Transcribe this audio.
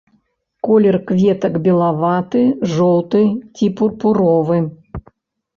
Колер кветак белаваты, жоўты ці пурпуровы.